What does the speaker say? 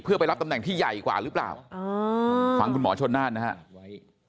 เพื่อไปรับตำแหน่งที่ใหญ่กว่าหรือเปล่าฟังคุณหมอชนน่านนะครับ